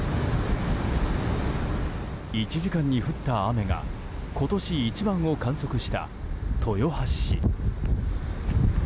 １時間に降った雨が今年一番を観測した豊橋市。